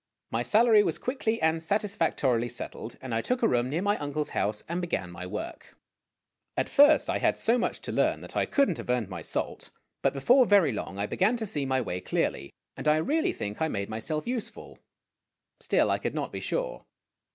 My salary was quickly and satisfactorily settled, and I took a room near my uncle's house and began my work. THE SATCHEL 177 At first I had so much to learn that I could n't have earned my salt ; but before very long I began to see my way clearly, and I really think I made myself useful still I could not be sure.